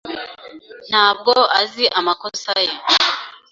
Ntabwo azi amakosa ye.